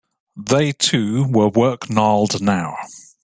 They, too, were work-gnarled now.